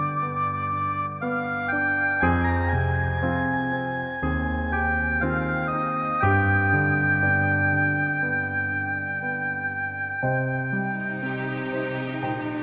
mas denger sendiri